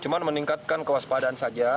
cuma meningkatkan kewaspadaan saja